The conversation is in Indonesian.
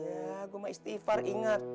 ya gua mah istighfar inget